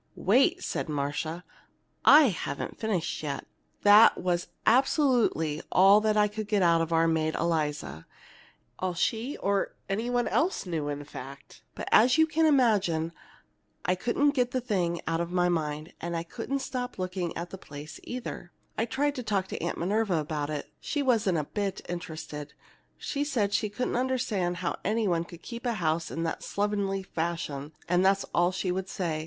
"Wait!" said Marcia. "I haven't finished yet. That was absolutely all I could get out of our maid Eliza, all she or any one else knew, in fact. But as you can imagine, I couldn't get the thing out of my mind, and I couldn't stop looking at the old place, either. I tried to talk to Aunt Minerva about it, but she wasn't a bit interested. Said she couldn't understand how any one could keep house in that slovenly fashion, and that's all she would say.